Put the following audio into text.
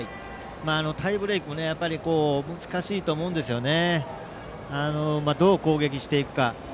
タイブレークは難しいと思うんですよね。